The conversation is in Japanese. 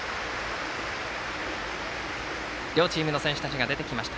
両チームの選手たちが出てきました。